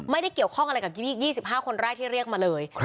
ไม่ได้เกี่ยวกับ๒๕คนแรกที่เรียกมาเลย